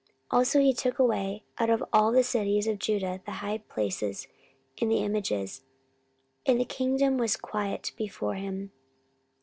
14:014:005 Also he took away out of all the cities of Judah the high places and the images: and the kingdom was quiet before him.